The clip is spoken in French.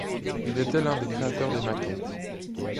Il était l'un des créateurs des maquettes.